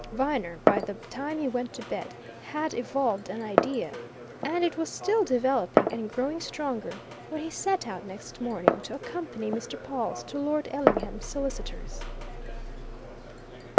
Viner, by the time he went to bed, had evolved an idea, and it was still developing and growing stronger when he set out next morning to accompany Mr. Pawle to Lord Ellingham's solicitors.